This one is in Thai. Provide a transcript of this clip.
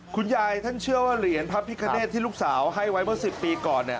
คุณยายท่านเชื่อว่าเหรียญพระพิคเนตที่ลูกสาวให้ไว้เมื่อ๑๐ปีก่อน